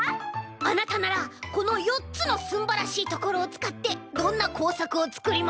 あなたならこのよっつのすんばらしいところをつかってどんなこうさくをつくりますか？